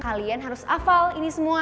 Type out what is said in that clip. kalian harus hafal ini semua